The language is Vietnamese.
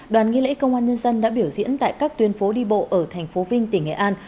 đoàn nghi lễ công an nhân dân đã biểu diễn tại các tuyên phố đi bộ ở tp vinh tỉnh nghệ an